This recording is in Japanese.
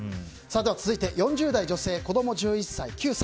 続いて、４０代女性子供１１歳、９歳。